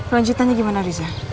lanjutannya gimana riza